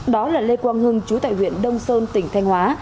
đó là lê quang hưng chú tại huyện đông sơn tỉnh thanh hóa